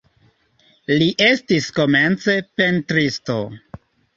Li estis komence pentristo.